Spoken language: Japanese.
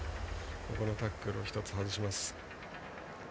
タックルを１つ外します。